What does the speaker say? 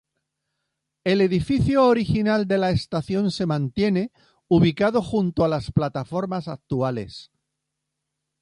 El edificio original de la estación se mantiene, ubicado junto a las plataformas actuales.